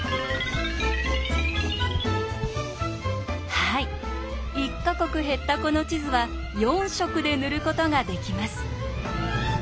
はい１か国減ったこの地図は４色で塗ることができます。